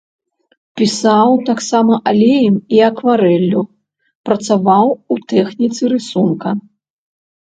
Пісаў таксама алеем і акварэллю, працаваў у тэхніцы рысунка.